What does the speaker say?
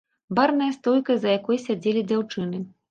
Барная стойка, за якой сядзелі дзяўчыны.